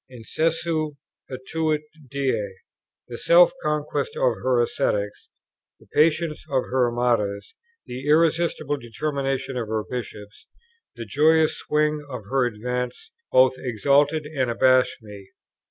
"Incessu patuit Dea." The self conquest of her Ascetics, the patience of her Martyrs, the irresistible determination of her Bishops, the joyous swing of her advance, both exalted and abashed me.